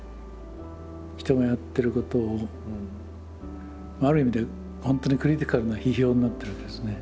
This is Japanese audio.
人がやってることをある意味で本当にクリティカルな批評になってるわけですね。